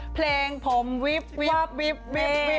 เพลงผมวิบวับวิบวิบวิบ